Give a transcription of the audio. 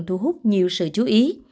thu hút nhiều sự chú ý